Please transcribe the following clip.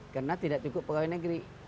karena tidak cukup pekawin negeri